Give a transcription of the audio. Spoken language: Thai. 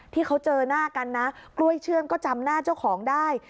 ที่เขาเจอหน้ากันนะกล้วยเชื่อมก็จำหน้าเจ้าของได้